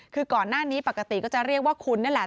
คือก่อนหน้านี้ปกติก็จะเรียกว่าคุณนั่นแหละ